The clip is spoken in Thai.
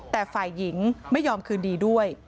แต่ฝ่ายหญิงไม่ยอมคืนดีด้วย